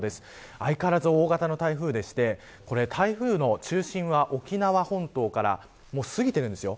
相変わらず大型の台風で台風の中心は沖縄本島から過ぎているんです。